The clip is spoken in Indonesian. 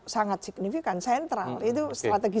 sangat signifikan sentral itu strategi